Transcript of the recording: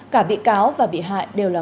cả bị cáo và bị hại đều là